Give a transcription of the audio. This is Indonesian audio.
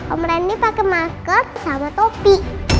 om randy pakai masker sama topi